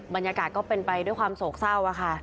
บรรยากาศก็เป็นไปด้วยความโศกเศร้าค่ะ